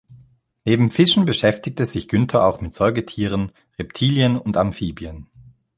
Neben Fischen beschäftigte sich Günther auch mit Säugetieren, Reptilien und Amphibien.